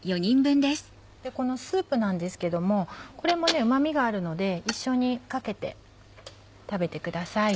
このスープなんですけどもこれもうま味があるので一緒にかけて食べてください。